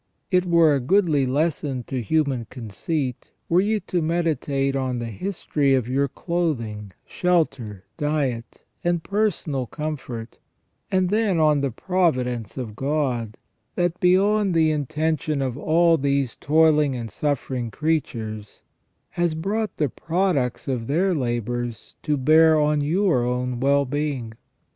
It were a goodly lesson to human conceit were you to meditate on the history of your clothing, shelter, diet, and personal com fort ; and then on the providence of God, that beyond the inten tion of all these toiling and suffering creatures has brought the products of their labours to bear on your own well being.